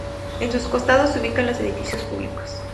En sus costados se ubican los edificios públicos.